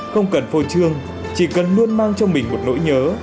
không cần phôi trương chỉ cần luôn mang cho mình một nỗi nhớ